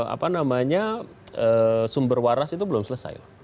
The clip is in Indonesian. apa namanya sumber waras itu belum selesai